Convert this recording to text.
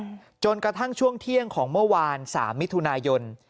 จนกระทั่งช่วงเที่ยงของเมื่อวานสามมิถุนายน